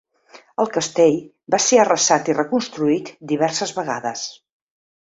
El castell va ser arrasat i reconstruït diverses vegades.